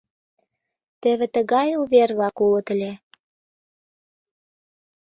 Теве тыгай увер-влак улыт ыле.